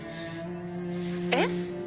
えっ？